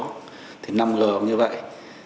năm g cũng như vậy